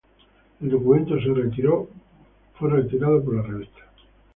El documento fue retirado por la revista.